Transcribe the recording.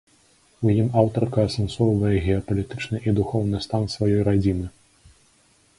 У ім аўтарка асэнсоўвае геапалітычны і духоўны стан сваёй радзімы.